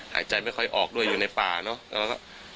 หายใจไม่ค่อยออกด้วยอยู่ในป่าเนอะ